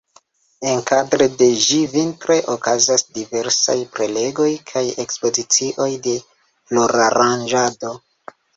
Enkadre de ĝi vintre okazas diversaj prelegoj kaj ekspozicioj de floraranĝado.